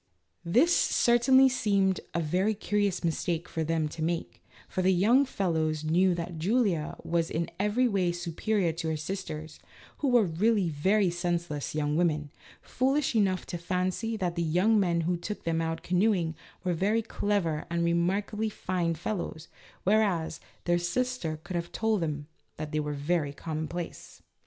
This certainly seemed a very curious mistake for them to make, for the young fellows knew that Julia was in every way superior to her sisters, who were really very senseless young women, foolish enough to fancy that the young men who took them out canoeing were very clever and remarkably fine fellows, whereas, their sister could have told them that they were very commonplace.